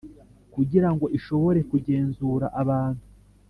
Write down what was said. Kugira ngo ishobore kugenzura abantu